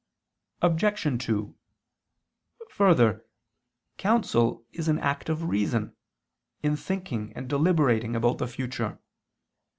Obj. 2: Further, counsel is an act of reason, in thinking and deliberating about the future.